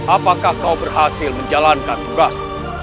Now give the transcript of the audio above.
apakah kau berhasil menjalankan tugas